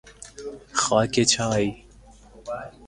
خاک چای